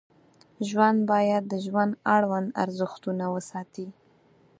ژوند باید د ژوند اړوند ارزښتونه وساتي.